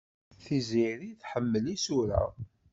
Tiziri tḥemmel isura.